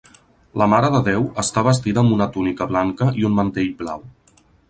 La Mare de Déu està vestida amb una túnica blanca i un mantell blau.